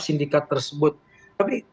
sindikat tersebut tapi